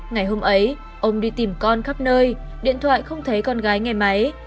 ngày hôm ấy ông đi tìm con khắp nơi điện thoại không thấy con gái nghe máy